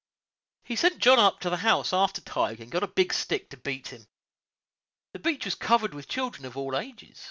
He sent John up to the house after Tige, and got a big stick to beat him. The beach was covered with children of all ages.